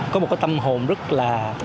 có một cái tâm hồn rất là